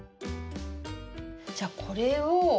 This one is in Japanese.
じゃこれを。